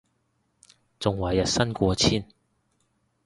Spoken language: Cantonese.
仲話日薪過千